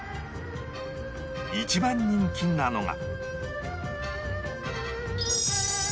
一番人気なのが